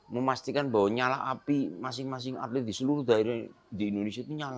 memastikan bahwa nyala api masing masing atlet di seluruh daerah di indonesia itu nyala